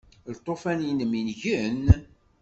Lṭufan-inem igen?